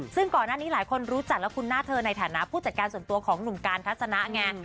ซึ่งก่อนหน้านี้หลายคนรู้จักและคุ้นหน้าเธอในฐานะผู้จัดการส่วนตัวของหนุ่มการทัศนะไง